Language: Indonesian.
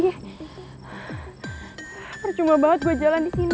percuma banget gue jalan di sini